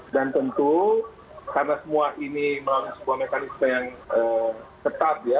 dan tentu karena semua ini melalui sebuah mekanisme yang ketat ya